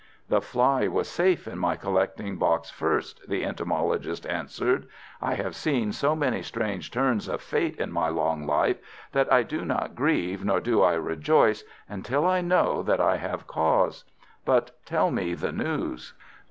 "The fly was safe in my collecting box first," the entomologist answered. "I have seen so many strange turns of Fate in my long life that I do not grieve nor do I rejoice until I know that I have cause. But tell me the news."